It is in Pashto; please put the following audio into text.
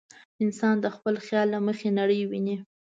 انسان د خپل خیال له مخې نړۍ ویني.